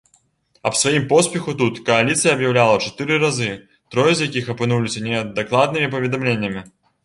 Аб сваім поспеху тут кааліцыя аб'яўляла чатыры разы, трое з якіх апынуліся недакладнымі паведамленнямі.